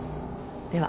では。